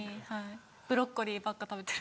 ブロッコリーばっか食べてる。